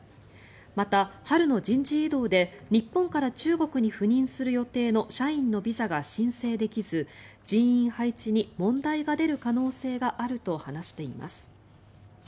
また、春の人事異動で日本から中国に赴任する予定の社員のビザが申請できず人員配置に問題が出る可能性があると話しています。